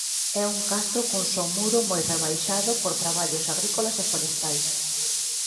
É un castro cun só muro moi rebaixado por traballos agrícolas e forestais.